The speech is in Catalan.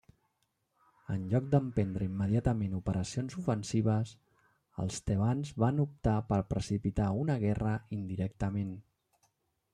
En lloc d'emprendre immediatament operacions ofensives, els tebans van optar per precipitar una guerra indirectament.